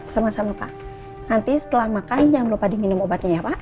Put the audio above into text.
sama sama pak nanti setelah makan jangan lupa diminum obatnya ya pak